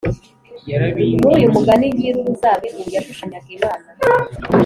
muri uyu mugani nyir’uruzabibu yashushanyaga imana